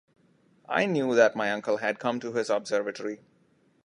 I knew that my uncle had come to his observatory.